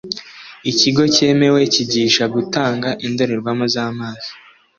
ikigo cyemewe kigisha gutanga indorerwamo z’amaso